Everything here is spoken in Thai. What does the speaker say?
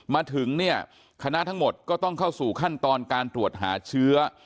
มาถึงเนี่ยคณะทั้งหมดก็ต้องเข้าสู่ขั้นตอนการตรวจหาเชื้อ